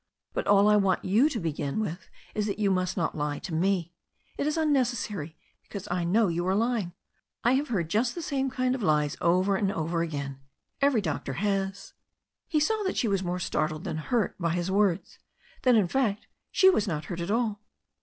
But all I want you to begin with is that you must not lie to me. It is un necessary, because I know you are lying. I have heard just the same kind of lies over and over again. Every doc tor has." He saw that she was more startled than hurt by his words; that, in fact, she was not hurt at all.